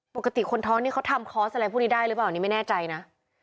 คนท้องนี่เขาทำคอร์สอะไรพวกนี้ได้หรือเปล่านี่ไม่แน่ใจนะ